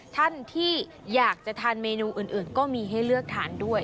ท่านที่อยากจะทานเมนูอื่นก็มีให้เลือกทานด้วย